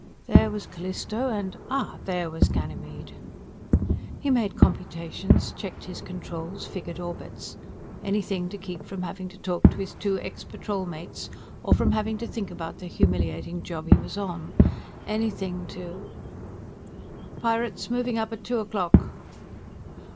There was Callisto, and ah there was Ganymede. He made computations, checked his controls, figured orbits. Anything to keep from having to talk to his two ex Patrolmates or from having to think about the humiliating job he was on. Anything to "_Pirates! Moving up at two o'clock!